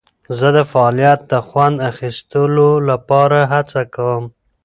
زه د فعالیت د خوند اخیستلو لپاره هڅه کوم.